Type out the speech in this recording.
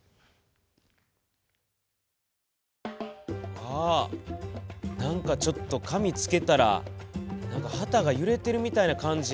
あ何かちょっと紙つけたら旗が揺れてるみたいな感じやな。